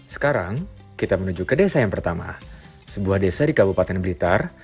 sekarang kita menuju ke desa yang pertama sebuah desa di kabupaten blitar